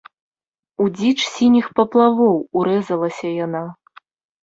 У дзіч сініх паплавоў урэзалася яна.